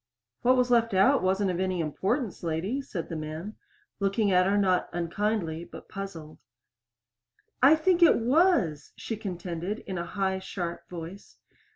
"What was left out wasn't of any importance, lady," said the man, looking at her, not unkindly, but puzzled. "I think it was!" she contended in a high, sharp voice.